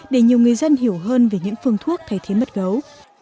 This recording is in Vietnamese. để nhiều người dân hiểu hơn về những phương thuốc thay thế mật gấu